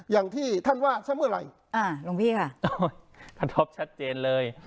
อย่างที่ท่านว่าเสมอไรอ่าลงพี่ค่ะอ้อกระทบชัดเจนเลย